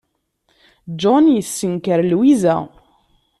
John yessenker Lwiza.